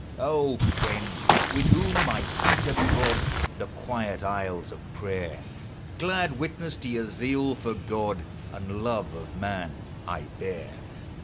O friends! with whom my feet have trod The quiet aisles of prayer, Glad witness to your zeal for God And love of man I bear.